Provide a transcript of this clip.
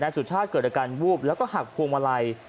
สุชาติเกิดอาการวูบแล้วก็หักพวงมาลัย